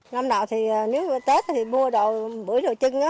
năm nào thì nếu tết thì mua bưởi đồ chưng